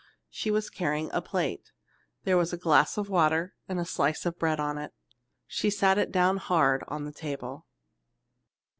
She was carrying a plate. There was a glass of water and a slice of bread on it. She set it down hard on the table.